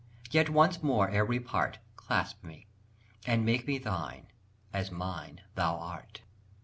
Yet once more, ere we part, Clasp me, and make me thine, as mine thou art!